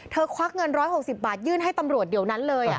ควักเงิน๑๖๐บาทยื่นให้ตำรวจเดี๋ยวนั้นเลย